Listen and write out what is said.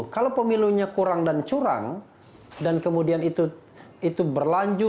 kalau pemilunya kurang dan curang dan kemudian itu berlanjut